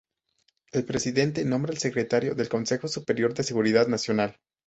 El presidente nombra al secretario del Consejo Superior de Seguridad Nacional.